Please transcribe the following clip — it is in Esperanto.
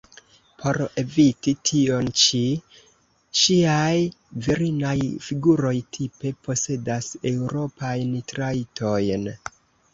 Por eviti tion ĉi, ŝiaj virinaj figuroj tipe posedas eŭropajn trajtojn.